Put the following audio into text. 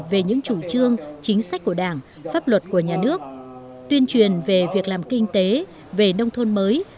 về những chủ trương chính sách của đảng pháp luật của nhà nước tuyên truyền về việc làm kinh tế về nông thôn mới